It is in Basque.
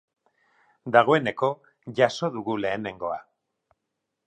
Dagoeneko jaso dugu lehenengoa!